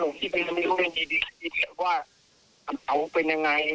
หลวงพี่เป็นคนที่ดีว่าเขาเป็นอย่างไร